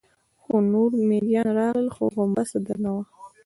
څو نور مېږيان راغلل، خو غومبسه درنه وه.